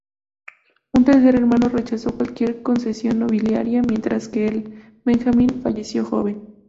Un tercer hermano rechazó cualquier concesión nobiliaria, mientras que el benjamín falleció joven.